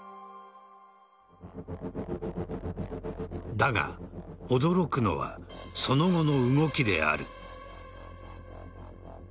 だが、驚くのはその後の動きである。